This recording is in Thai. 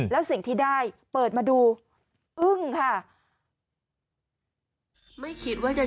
แล้วสิ่งที่ได้เปิดมาดูอึ้งค่ะ